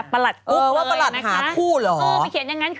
ประหลัดกุ๊กเลยแหละนะคะ